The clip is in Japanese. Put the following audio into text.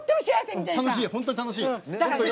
本当に楽しいよ！